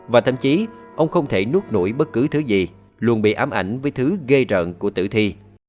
và thậm chí ông không thể nuốt nổi bất cứ thứ gì luôn bị ám ảnh với thứ gây rợn của tử thi